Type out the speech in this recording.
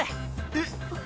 えっ？